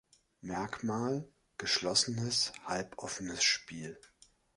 Merkmal: Geschlossenes, halboffenes Spiel.